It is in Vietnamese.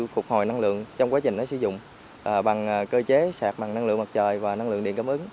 phục hồi năng lượng trong quá trình sử dụng bằng cơ chế sạc bằng năng lượng mặt trời và năng lượng điện cung ứng